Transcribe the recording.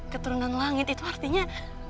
keturunan langit itu artinya